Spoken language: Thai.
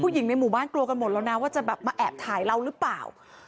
หญิงในหมู่บ้านกลัวกันหมดแล้วนะว่าจะแบบมาแอบถ่ายเราหรือเปล่า